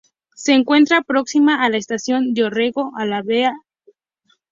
Se encuentra próxima a la Estación Dorrego de la línea B de subterráneos.